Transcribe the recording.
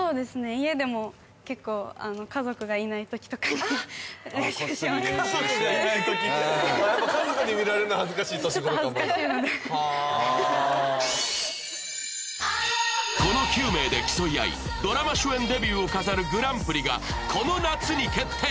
家でも結構家族がいないときとかにこっそり練習してやっぱ家族に見られるの恥ずかしい年頃かまだこの９名で競い合いドラマ主演デビューを飾るグランプリがこの夏に決定